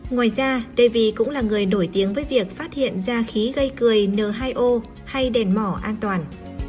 ngoài ra tv cũng là người nổi tiếng với việc phát hiện ra khí gây cười n hai o hay đèn mỏ an toàn